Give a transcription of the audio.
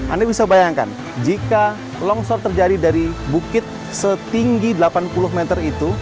anda bisa bayangkan jika longsor terjadi dari bukit setinggi delapan puluh meter itu